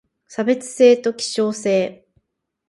差別性と希少性